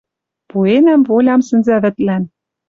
Пуэнӓм волям сӹнзӓвӹдлӓн